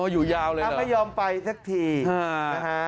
อ๋ออยู่ยาวเลยเหรอน้ำให้ยอมไปสักทีนะฮะ